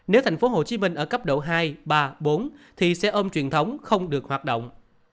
nếu tp hcm ở cấp độ hai ba bốn thì xe ôm truyền thống không được hoạt động